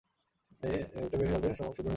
এটা বের হয়ে আসবে শুভ্র নির্মল অবস্থায়।